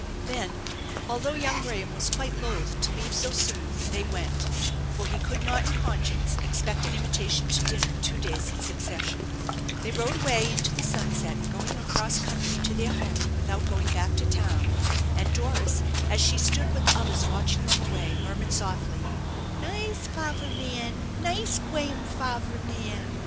Then, although young Graham was quite loath to leave so soon, they went, for he could not in conscience, expect an invitation to dinner two days in succession. 806 THE ENCHANTED BARN They rode away into the sunset, going across country to their home without going back to town, and Doris, as she stood with the others watching them away, murmured softly :" Nice f avver man ! Nice Gwaham f avver man